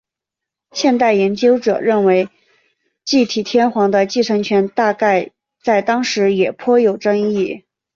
现代研究者认为继体天皇的继承权大概在当时也颇有争议。